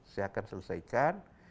saya akan selesaikan